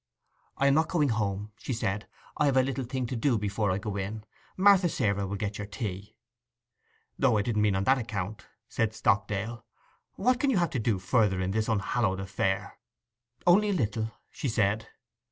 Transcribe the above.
'I am not going home,' she said. 'I have a little thing to do before I go in. Martha Sarah will get your tea.' 'O, I don't mean on that account,' said Stockdale. 'What can you have to do further in this unhallowed affair?' 'Only a little,' she said.